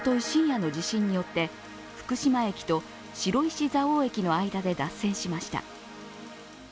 深夜の地震によって福島駅と白石蔵王駅の間で脱線しました。